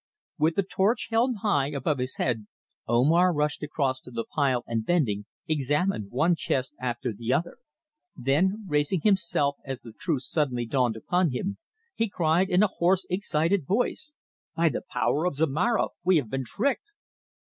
With the torch held high above his head Omar rushed across to the pile and bending, examined one chest after the other. Then, raising himself as the truth suddenly dawned upon him, he cried in a hoarse, excited voice: "By the power of Zomara, we have been tricked!"